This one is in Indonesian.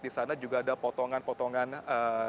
di sana juga ada potongan potongan